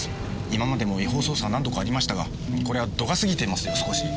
今までも違法捜査は何度かありましたがこれは度が過ぎていますよ少し。